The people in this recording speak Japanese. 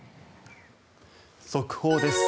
速報です。